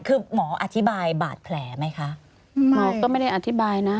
คือหมออธิบายบาดแผลไหมคะหมอก็ไม่ได้อธิบายนะ